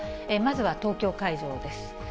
まずは東京会場です。